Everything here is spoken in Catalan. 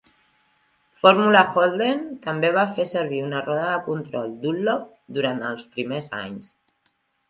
Formula Holden també va fer servir una roda de control Dunlop durant els primers anys.